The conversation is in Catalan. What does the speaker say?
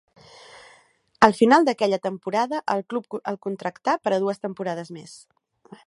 Al final d'aquella temporada el club el contractà per dues temporades més.